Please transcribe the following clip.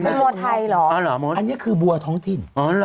เป็นบัวไทยหรออันนี้คือบัวท้องถิ่น